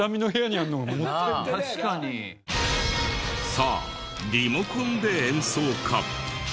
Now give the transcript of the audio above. さあリモコンで演奏か？